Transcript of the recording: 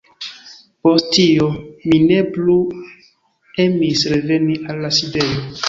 Post tio, mi ne plu emis reveni al la sidejo.